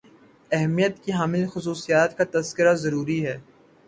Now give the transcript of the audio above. اہمیت کی حامل خصوصیات کا تذکرہ ضروری ہے